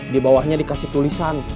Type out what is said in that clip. di bawahnya dikasih tulisan